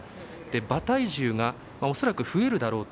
馬体重が恐らく増えるだろうと。